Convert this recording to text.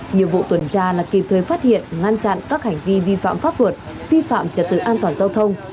nhiệm vụ tuần tra là kịp thời phát hiện ngăn chặn các hành vi vi phạm pháp luật vi phạm trật tự an toàn giao thông